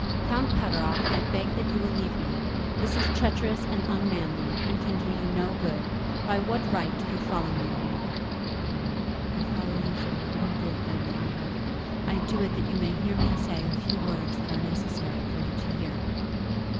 "Count Pateroff, I beg that you will leave me. This is treacherous and unmanly, and can do you no good. By what right do you follow me here?" "I follow you for your own good, Lady Ongar; I do it that you may hear me say a few words that are necessary for you to hear."